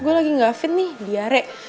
gue lagi gak fin nih diare